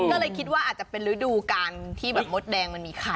ก็เลยคิดว่าอาจจะเป็นฤดูการที่แบบมดแดงมันมีไข่